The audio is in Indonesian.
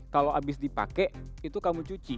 kalau habis dipakai itu kamu cuci